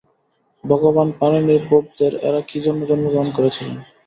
ভগবান পাণিনি বোপদেব এঁরা কী জন্যে জন্মগ্রহণ করেছিলেন?